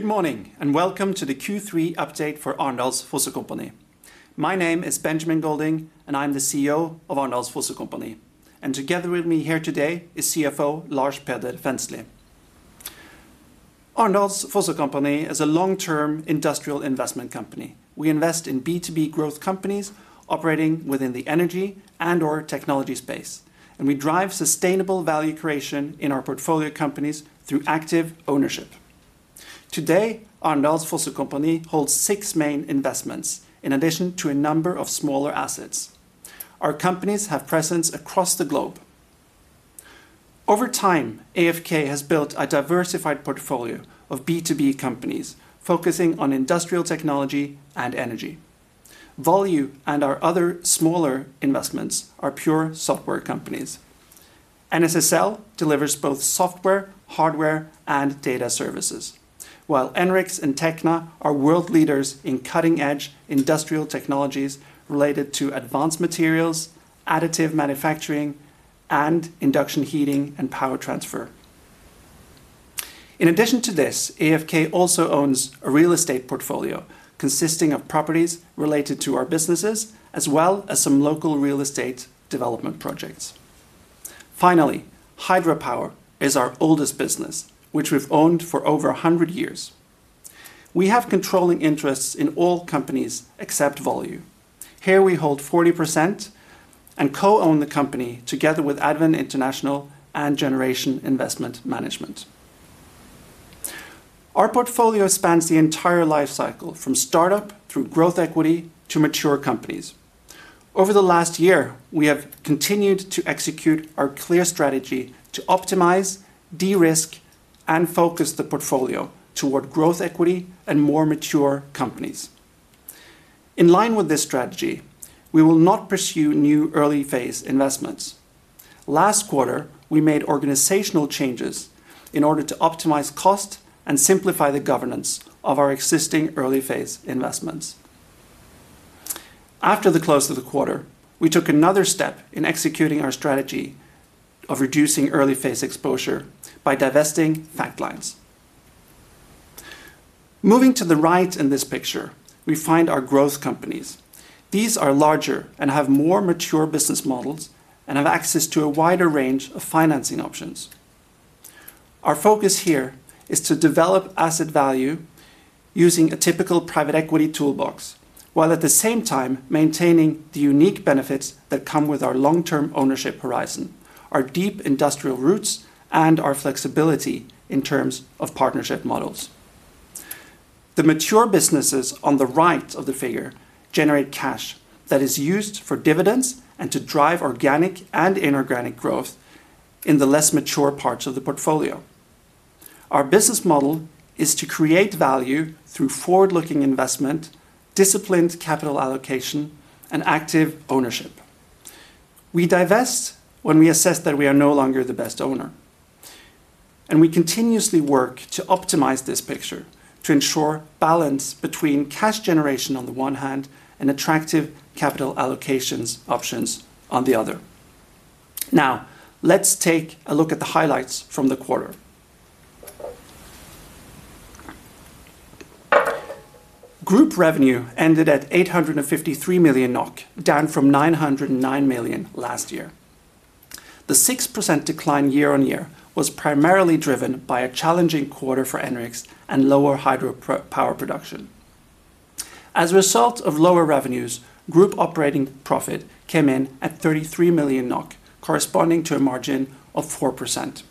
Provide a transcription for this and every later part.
Good morning, and welcome to the Q3 update for Arendals Fossekompani. My name is Benjamin Golding, and I'm the CEO of Arendals Fossekompani. Together with me here today is CFO Lars Peder Fensli. Arendals Fossekompani is a long-term industrial investment company. We invest in B2B growth companies operating within the energy and/or technology space, and we drive sustainable value creation in our portfolio companies through active ownership. Today, Arendals Fossekompani holds six main investments, in addition to a number of smaller assets. Our companies have presence across the globe. Over time, AFK has built a diversified portfolio of B2B companies focusing on industrial technology and energy. Volue and our other smaller investments are pure software companies. NSSLGlobal delivers both software, hardware, and data services, while Enrix and Tekna are world leaders in cutting-edge industrial technologies related to advanced materials, additive manufacturing, and induction heating and power transfer. In addition to this, AFK also owns a real estate portfolio consisting of properties related to our businesses, as well as some local real estate development projects. Finally, hydropower is our oldest business, which we've owned for over 100 years. We have controlling interests in all companies except Volue. Here, we hold 40% and co-own the company together with Advent International and Generation Investment Management. Our portfolio spans the entire life cycle, from startup through growth equity to mature companies. Over the last year, we have continued to execute our clear strategy to optimize, de-risk, and focus the portfolio toward growth equity and more mature companies. In line with this strategy, we will not pursue new Early-Phase investments. Last quarter, we made organizational changes in order to optimize cost and simplify the governance of our existing early-phase investments. After the close of the quarter, we took another step in executing our strategy of reducing early-phase exposure by divesting Factlines. Moving to the right in this picture, we find our growth companies. These are larger and have more mature business models and have access to a wider range of financing options. Our focus here is to develop asset value using a typical private equity toolbox, while at the same time maintaining the unique benefits that come with our long-term ownership horizon, our deep industrial roots, and our flexibility in terms of partnership models. The mature businesses on the right of the figure generate cash that is used for dividends and to drive organic and inorganic growth in the less mature parts of the portfolio. Our business model is to create value through forward-looking investment, disciplined capital allocation, and active ownership. We divest when we assess that we are no longer the best owner. We continuously work to optimize this picture to ensure balance between cash generation on the one hand and attractive capital allocation options on the other. Now, let's take a look at the highlights from the quarter. Group revenue ended at 853 million NOK, down from 909 million last year. The 6% decline year-on-year was primarily driven by a challenging quarter for ENRX and lower hydropower production. As a result of lower revenues, group operating profit came in at 33 million NOK, corresponding to a margin of 4%.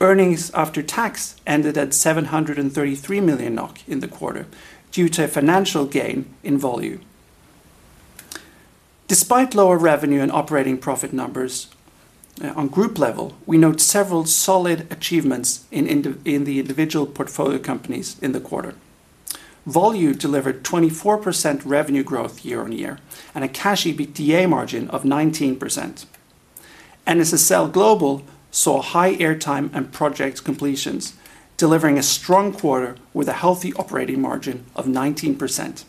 Earnings after tax ended at 733 million NOK in the quarter due to a financial gain in Volue. Despite lower revenue and operating profit numbers, on group level, we note several solid achievements in the individual portfolio companies in the quarter. Volue delivered 24% revenue growth year-on-year and a cash EBITDA margin of 19%. NSSLGlobal saw high airtime and project completions, delivering a strong quarter with a healthy operating margin of 19%.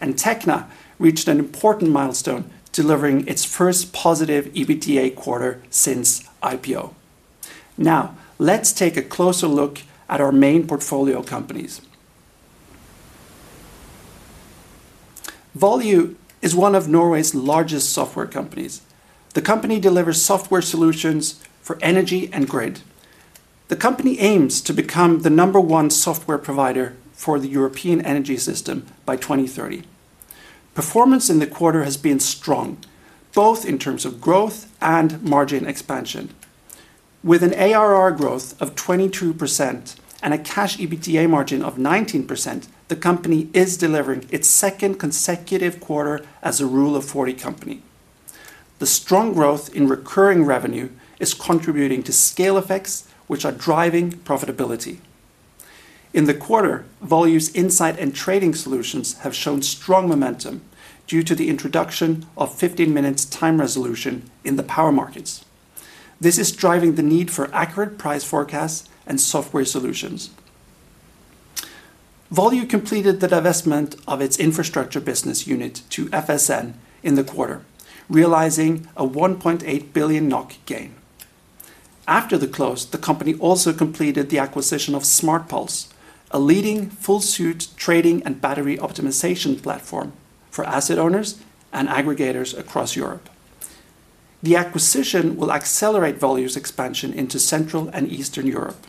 Tekna reached an important milestone, delivering its first positive EBITDA quarter since IPO. Now, let's take a closer look at our main portfolio companies. Volue is one of Norway's largest software companies. The company delivers software solutions for energy and grid. The company aims to become the number one software provider for the European energy system by 2030. Performance in the quarter has been strong, both in terms of growth and margin expansion. With an ARR growth of 22% and a cash EBITDA margin of 19%, the company is delivering its second consecutive quarter as a rule of 40 company. The strong growth in recurring revenue is contributing to scale effects, which are driving profitability. In the quarter, Volue's insight and trading solutions have shown strong momentum due to the introduction of 15-minute time resolution in the power markets. This is driving the need for accurate price forecasts and software solutions. Volue completed the divestment of its infrastructure business unit to FSN in the quarter, realizing a 1.8 billion NOK gain. After the close, the company also completed the acquisition of SmartPulse, a leading full-suite trading and battery optimization platform for asset owners and aggregators across Europe. The acquisition will accelerate Volue's expansion into Central and Eastern Europe.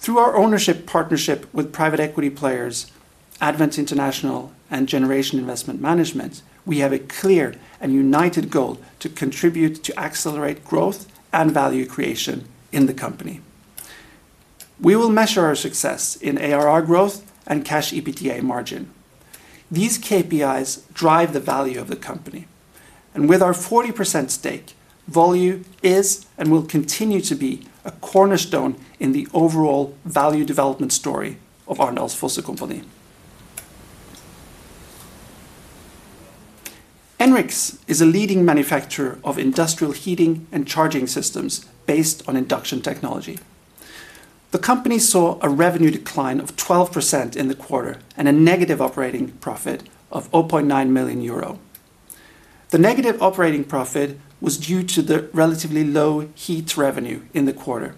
Through our ownership partnership with private equity players Advent International and Generation Investment Management, we have a clear and united goal to contribute to accelerate growth and value creation in the company. We will measure our success in ARR growth and cash EBITDA margin. These KPIs drive the value of the company. With our 40% stake, Volue is and will continue to be a cornerstone in the overall value development story of Arendals Fossekompani. ENRX is a leading manufacturer of industrial heating and charging systems based on induction technology. The company saw a revenue decline of 12% in the quarter and a negative operating profit of 0.9 million euro. The negative operating profit was due to the relatively low heat revenue in the quarter.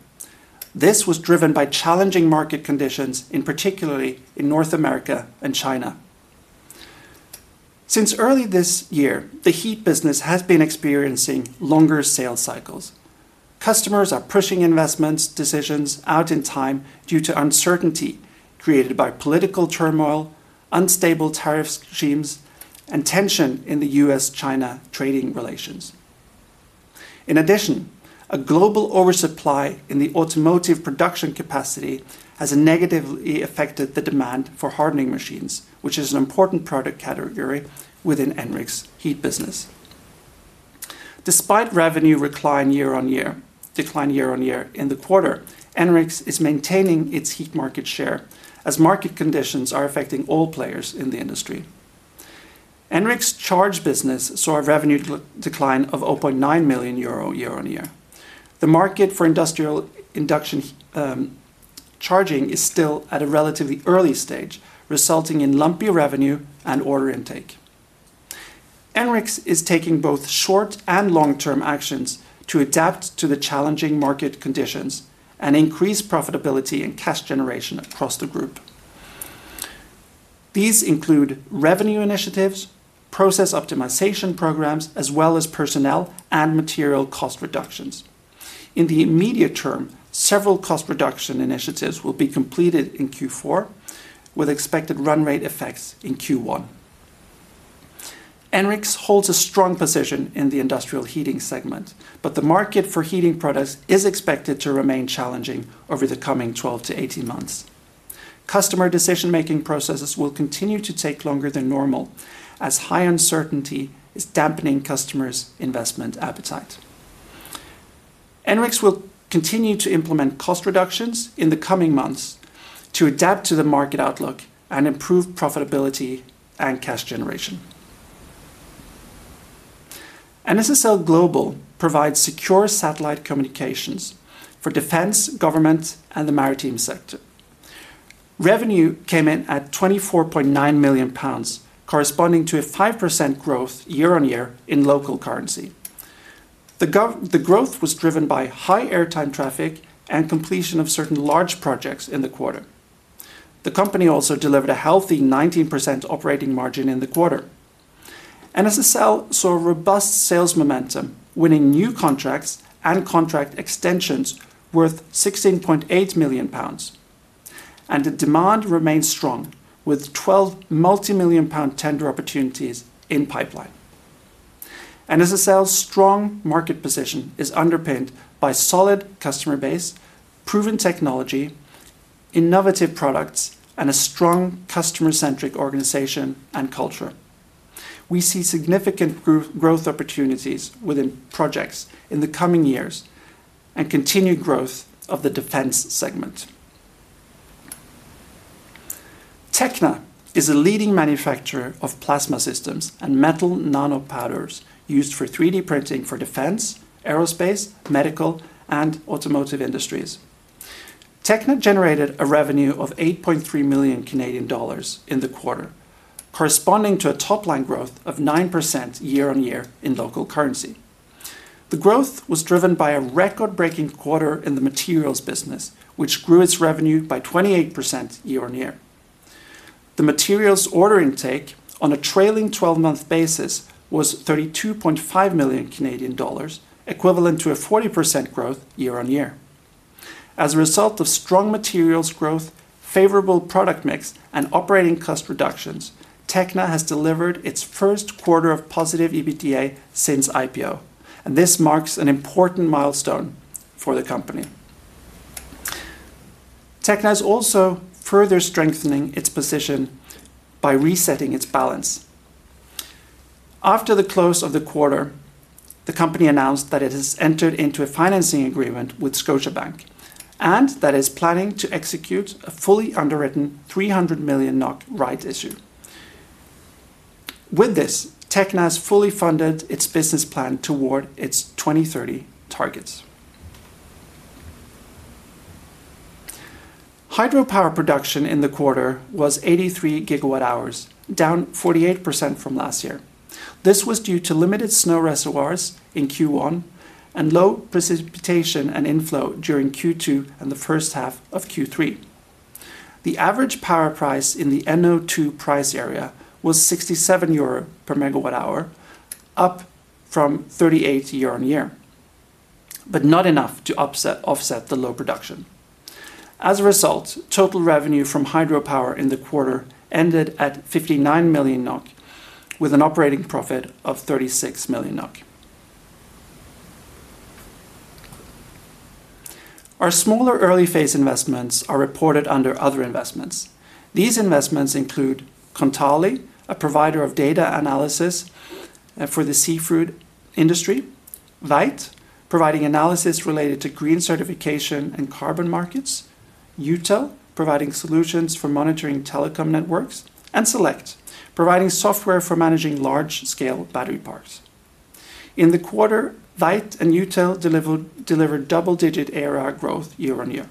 This was driven by challenging market conditions, particularly in North America and China. Since early this year, the heat business has been experiencing longer sales cycles. Customers are pushing investment decisions out in time due to uncertainty created by political turmoil, unstable tariff schemes, and tension in the US-China trading relations. In addition, a global oversupply in the automotive production capacity has negatively affected the demand for hardening machines, which is an important product category within Enrix's heat business. Despite revenue decline year-on-year in the quarter, Enrix is maintaining its heat market share as market conditions are affecting all players in the industry. Enrix's charge business saw a revenue decline of 0.9 million euro year-on-year. The market for industrial induction charging is still at a relatively early stage, resulting in lumpy revenue and order intake. Enrix is taking both short and long-term actions to adapt to the challenging market conditions and increase profitability and cash generation across the group. These include revenue initiatives, process optimization programs, as well as personnel and material cost reductions. In the immediate term, several cost reduction initiatives will be completed in Q4, with expected run rate effects in Q1. Enrix holds a strong position in the industrial heating segment, but the market for heating products is expected to remain challenging over the coming 12-18 months. Customer decision-making processes will continue to take longer than normal as high uncertainty is dampening customers' investment appetite. Enrix will continue to implement cost reductions in the coming months to adapt to the market outlook and improve profitability and cash generation. NSSLGlobal provides secure satellite communications for defense, government, and the maritime sector. Revenue came in at 24.9 million pounds, corresponding to a 5% growth year-on-year in local currency. The growth was driven by high airtime traffic and completion of certain large projects in the quarter. The company also delivered a healthy 19% operating margin in the quarter. NSSLGlobal saw robust sales momentum, winning new contracts and contract extensions worth 16.8 million pounds. The demand remains strong, with 12 multi-million-pound tender opportunities in pipeline. NSSLGlobal's strong market position is underpinned by a solid customer base, proven technology, innovative products, and a strong customer-centric organization and culture. We see significant growth opportunities within projects in the coming years and continued growth of the defense segment. Tekna is a leading manufacturer of plasma systems and metal nanopowders used for 3D printing for defense, aerospace, medical, and automotive industries. Tekna generated a revenue of 8.3 million Canadian dollars in the quarter, corresponding to a top-line growth of 9% year-on-year in local currency. The growth was driven by a record-breaking quarter in the materials business, which grew its revenue by 28% year-on-year. The materials order intake, on a trailing 12-month basis, was 32.5 million Canadian dollars, equivalent to a 40% growth year-on-year. As a result of strong materials growth, favorable product mix, and operating cost reductions, Tekna has delivered its first quarter of positive EBITDA since IPO, and this marks an important milestone for the company. Tekna is also further strengthening its position by resetting its balance. After the close of the quarter, the company announced that it has entered into a financing agreement with Scotiabank and that it is planning to execute a fully underwritten 300 million NOK rights issue. With this, Tekna has fully funded its business plan toward its 2030 targets. Hydropower production in the quarter was 83 gigawatt-hours, down 48% from last year. This was due to limited snow reservoirs in Q1 and low precipitation and inflow during Q2 and the first half of Q3. The average power price in the NO2 price area was 67 euro per megawatt-hour, up from 38 year-on-year. Not enough to offset the low production. As a result, total revenue from hydropower in the quarter ended at 59 million NOK, with an operating profit of 36 million NOK. Our smaller early-phase investments are reported under other investments. These investments include Qantali, a provider of data analysis for the seafood industry; Veit, providing analysis related to green certification and carbon markets; UTel, providing solutions for monitoring telecom networks; and Select, providing software for managing large-scale battery parks. In the quarter, Veit and UTel delivered double-digit ARR growth year-on-year.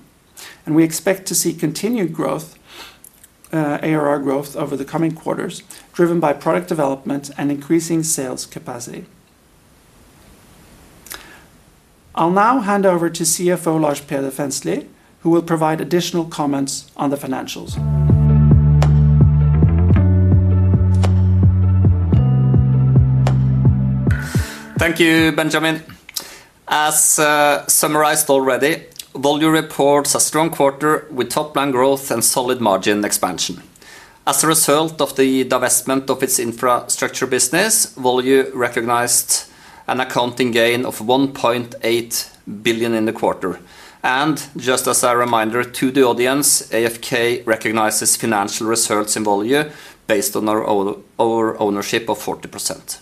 We expect to see continued ARR growth over the coming quarters, driven by product development and increasing sales capacity. I'll now hand over to CFO Lars Peder Fensli, who will provide additional comments on the financials. Thank you, Benjamin. As summarized already, Volue reports a strong quarter with top-line growth and solid margin expansion. As a result of the divestment of its infrastructure business, Volue recognized an accounting gain of 1.8 billion in the quarter. Just as a reminder to the audience, AFK recognizes financial results in Volue based on our ownership of 40%.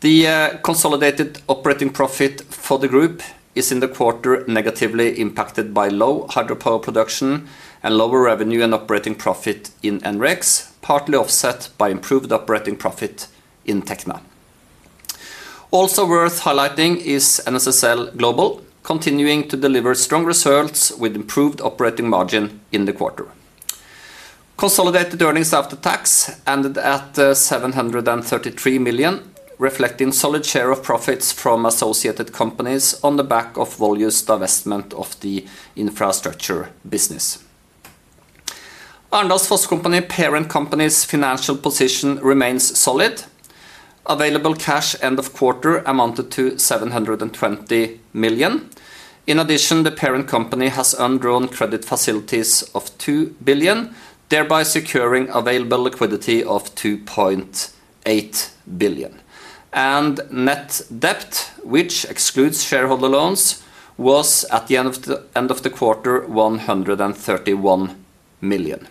The consolidated operating profit for the group is in the quarter negatively impacted by low hydropower production and lower revenue and operating profit in ENRX, partly offset by improved operating profit in Tekna. Also worth highlighting is NSSLGlobal, continuing to deliver strong results with improved operating margin in the quarter. Consolidated earnings after tax ended at 733 million, reflecting a solid share of profits from associated companies on the back of Volue's divestment of the infrastructure business. Arendals Fossekompani parent company's financial position remains solid. Available cash end of quarter amounted to 720 million. In addition, the parent company has earned drawn credit facilities of 2 billion, thereby securing available liquidity of 2.8 billion. Net debt, which excludes shareholder loans, was at the end of the quarter 131 million.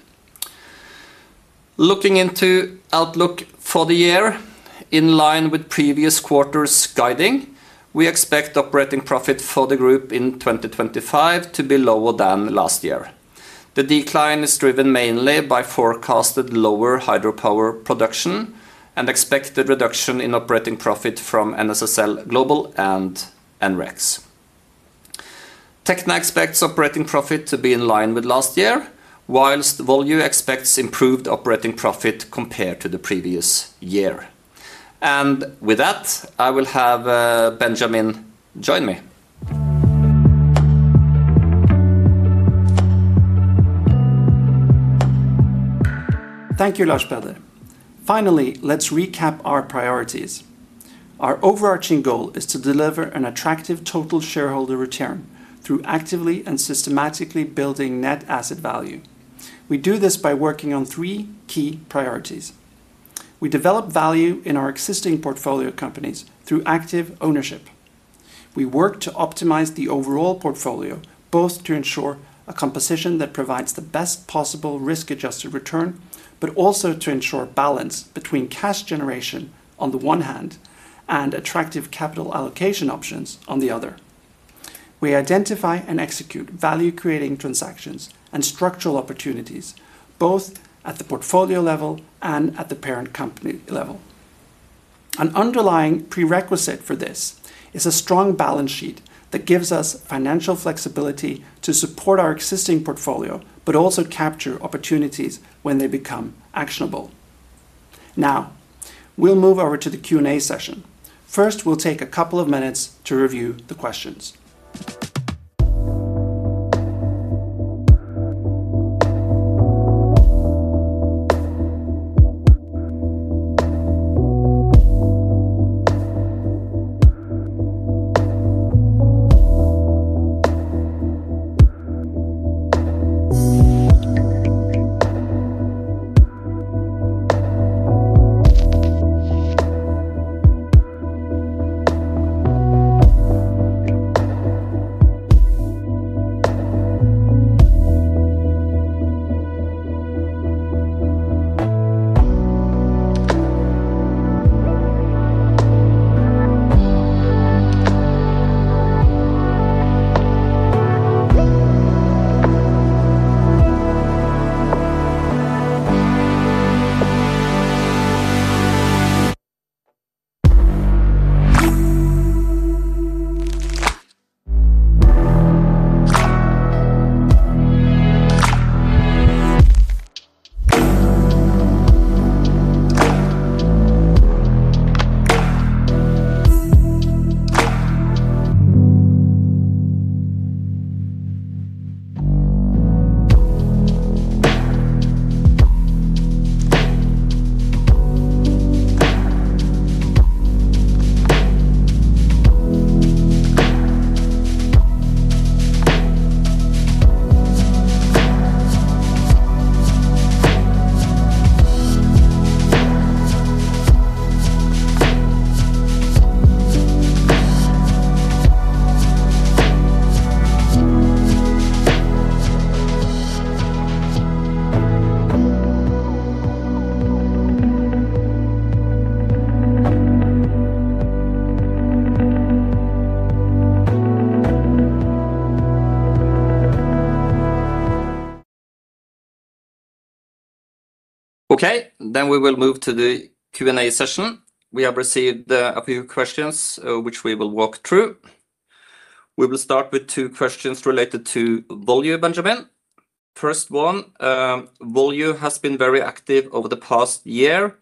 Looking into outlook for the year, in line with previous quarter's guiding, we expect operating profit for the group in 2025 to be lower than last year. The decline is driven mainly by forecasted lower hydropower production and expected reduction in operating profit from NSSLGlobal and ENRX. Tekna expects operating profit to be in line with last year, whilst Volue expects improved operating profit compared to the previous year. With that, I will have Benjamin join me. Thank you, Lars Peder Fensli. Finally, let's recap our priorities. Our overarching goal is to deliver an attractive total shareholder return through actively and systematically building net asset value. We do this by working on three key priorities. We develop value in our existing portfolio companies through active ownership. We work to optimize the overall portfolio, both to ensure a composition that provides the best possible risk-adjusted return, but also to ensure balance between cash generation on the one hand and attractive capital allocation options on the other. We identify and execute value-creating transactions and structural opportunities, both at the portfolio level and at the parent company level. An underlying prerequisite for this is a strong balance sheet that gives us financial flexibility to support our existing portfolio, but also capture opportunities when they become actionable. Now, we'll move over to the Q&A session. First, we'll take a couple of minutes to review the questions. Okay, then we will move to the Q&A session. We have received a few questions, which we will walk through. We will start with two questions related to Volue, Benjamin. First one, Volue has been very active over the past year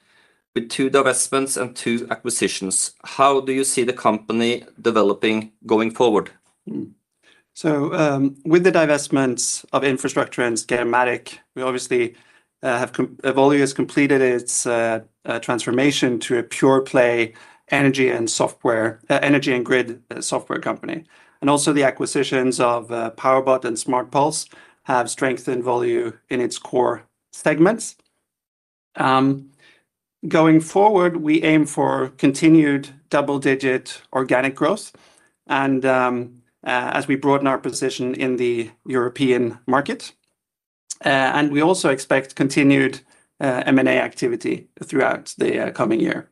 with two divestments and two acquisitions. How do you see the company developing going forward? With the divestments of infrastructure and Schematic, we obviously have Volue completed its transformation to a pure-play energy and grid software company. Also, the acquisitions of PowerBot and SmartPulse have strengthened Volue in its core segments. Going forward, we aim for continued double-digit organic growth as we broaden our position in the European market. We also expect continued M&A activity throughout the coming year.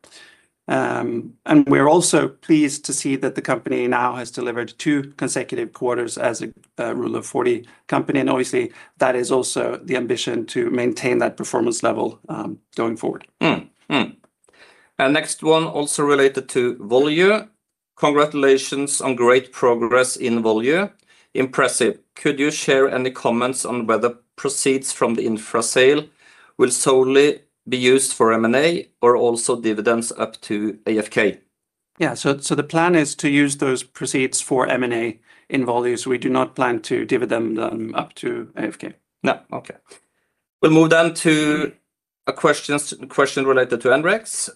We are also pleased to see that the company now has delivered two consecutive quarters as a rule of 40 company. That is also the ambition to maintain that performance level going forward. Next one, also related to Volue. Congratulations on great progress in Volue. Impressive. Could you share any comments on whether proceeds from the infrasale will solely be used for M&A or also dividends up to AFK? Yeah, so the plan is to use those proceeds for M&A in Volue. So we do not plan to dividend them up to AFK. No. Okay. We'll move then to a question related to ENRX.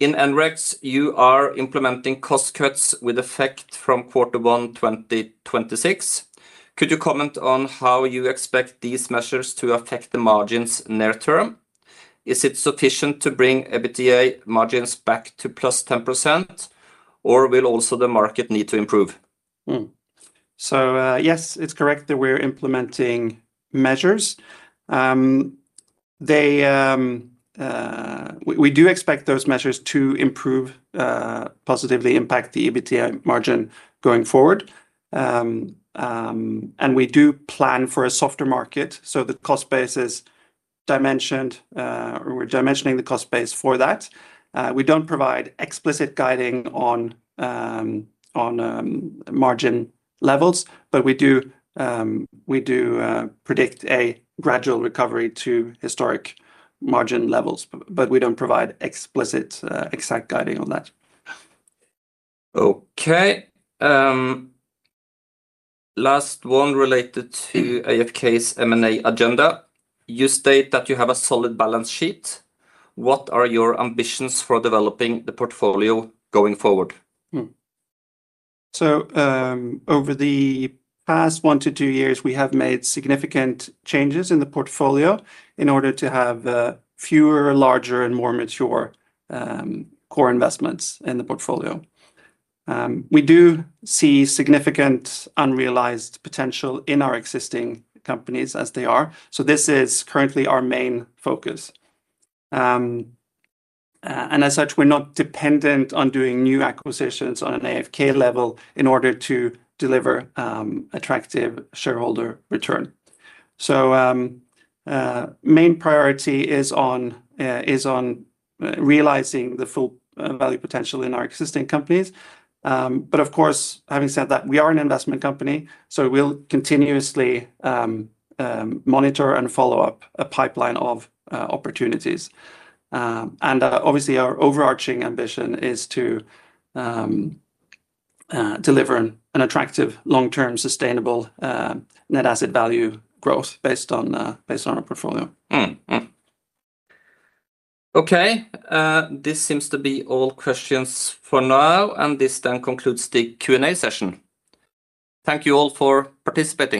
In ENRX, you are implementing cost cuts with effect from quarter one 2026. Could you comment on how you expect these measures to affect the margins near term? Is it sufficient to bring EBITDA margins back to plus 10%? Or will also the market need to improve? Yes, it's correct that we're implementing measures. We do expect those measures to improve, positively impact the EBITDA margin going forward. And we do plan for a softer market. The cost basis dimensioned, we're dimensioning the cost base for that. We don't provide explicit guiding on margin levels, but we do predict a gradual recovery to historic margin levels. We don't provide explicit exact guiding on that. Last one related to AFK's M&A agenda. You state that you have a solid balance sheet. What are your ambitions for developing the portfolio going forward? Over the past one to two years, we have made significant changes in the portfolio in order to have fewer, larger, and more mature core investments in the portfolio. We do see significant unrealized potential in our existing companies as they are. This is currently our main focus. As such, we're not dependent on doing new acquisitions on an AFK level in order to deliver attractive shareholder return. Main priority is on. Realizing the full value potential in our existing companies. Of course, having said that, we are an investment company, so we'll continuously monitor and follow up a pipeline of opportunities. Obviously, our overarching ambition is to deliver an attractive long-term sustainable net asset value growth based on our portfolio. Okay. This seems to be all questions for now, and this then concludes the Q&A session. Thank you all for participating.